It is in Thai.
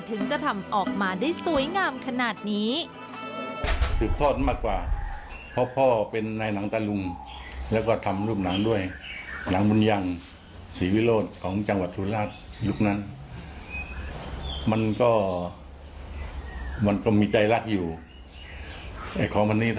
ถึงจะทำออกมาได้สวยงามขนาดนี้